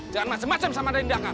jangan macam macam sama dain dangar